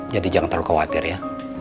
jadi jangan terlalu khawatir ya